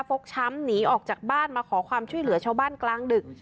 ฟกช้ำหนีออกจากบ้านมาขอความช่วยเหลือชาวบ้านกลางดึก